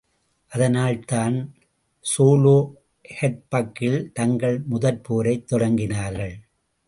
அதனால்தான் ஸோலோஹெட்பக்கில் தங்கள் முதற்போரைத் தொடங்கினார்கள்.